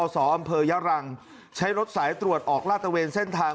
อสอำเภยารังใช้ลดสายตรวจออกล่าทะเวนเส้นทาง